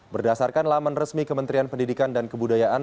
berdasarkan laman resmi kementerian pendidikan dan kebudayaan